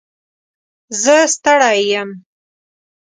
زه ستړی یم.